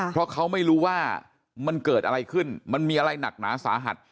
เพราะเขาไม่รู้ว่ามันเกิดอะไรขึ้นมันมีอะไรหนักหนาสาหัส